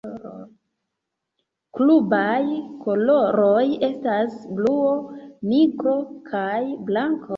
Klubaj koloroj estas bluo, nigro kaj blanko.